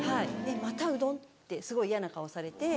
「またうどん？」ってすごい嫌な顔されて。